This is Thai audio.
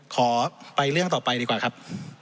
ขอไปเรื่องต่อไปดีกว่าครับ